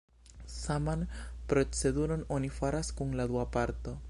Saman proceduron oni faras kun la dua parto.